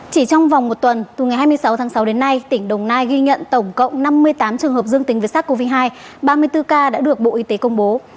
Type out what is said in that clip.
chỉ trong vòng một tuần từ ngày hai mươi sáu tháng sáu đến nay tỉnh đồng nai ghi nhận tổng cộng năm mươi tám trường hợp dương tính với sars cov hai ba mươi bốn ca đã được bộ y tế công bố